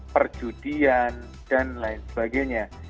perjudian dan lain sebagainya